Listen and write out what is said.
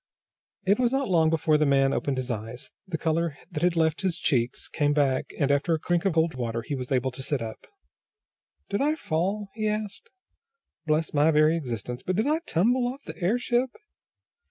It was not long before the man opened his eyes. The color that had left his cheeks came back, and, after a drink of cold water he was able to sit up. "Did I fall?" he asked. "Bless my very existence, but did I tumble off the airship?"